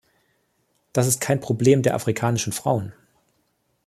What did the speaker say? Das ist kein Problem der afrikanischen Frauen.